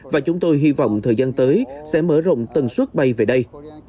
và chúng tôi hy vọng thời gian tới sẽ mở rộng tần suất bay về đây